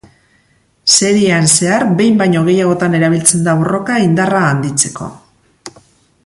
Seriean zehar behin baino gehiagotan erabiltzen da borroka indarra handitzeko.